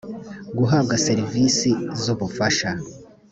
guhabwa serivisi z ubufasha